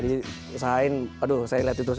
jadi usahain aduh saya lihat itu terus